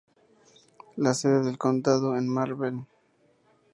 La sede del condado es Malvern.